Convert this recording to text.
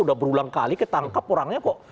udah berulang kali ketangkap orangnya kok